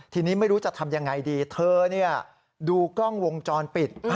ทีนี้ไม่รู้จะทำยังไงดีเธอดูกล้องวงจรปิด